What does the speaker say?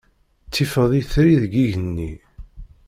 Tifeḍ itri deg yigenni.